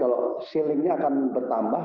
kalau ceilingnya akan bertambah